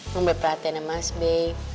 membeli perhatiannya mas be